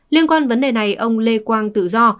liên quan vấn đề này ông lê quang tự do